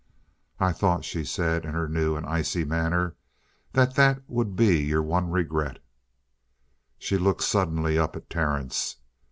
"I thought," she said in her new and icy manner, "that that would be your one regret." She looked suddenly up at Terence.